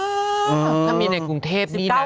ถ้ามีในกรุงเทพนี้นะ